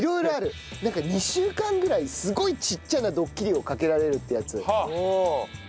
なんか２週間ぐらいすごいちっちゃなドッキリをかけられるってやつ。